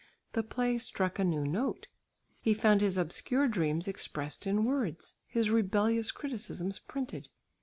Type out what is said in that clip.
The play struck a new note. He found his obscure dreams expressed in words; his rebellious criticisms printed.